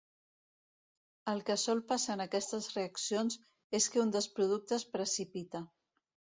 El que sol passar en aquestes reaccions és que un dels productes precipita.